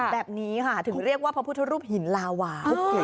แบบนี้ค่ะถึงเรียกว่าพระพุทธรูปหินลาวา